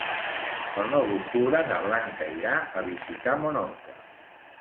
El nou d'octubre na Blanca irà a visitar mon oncle.